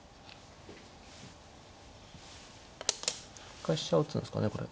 一回飛車打つんですかねこれ。